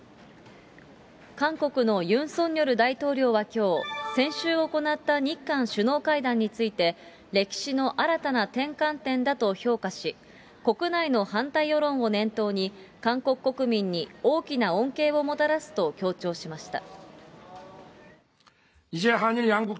韓国のユン・ソンニョル大統領はきょう、先週行った日韓首脳会談について、歴史の新たな転換点だと評価し、国内の反対世論を念頭に、韓国国民に大きな恩恵をもたらすと強調しました。